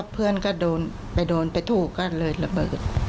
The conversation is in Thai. เพื่อนก็โดนไปถูกกันเลยระเบิด